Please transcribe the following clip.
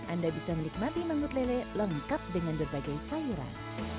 anda bisa menikmati mangut lele lengkap dengan berbagai sayuran